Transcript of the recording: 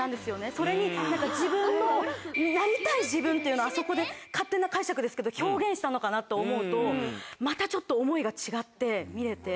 それに自分の。っていうのをあそこで勝手な解釈ですけど表現したのかなと思うとまたちょっと思いが違って見れて。